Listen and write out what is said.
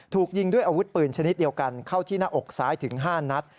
ถูกยิงด้วยอาวุธปืนชนิดเดียวกันเข้าที่หน้าอกซ้ายถึง๕นัด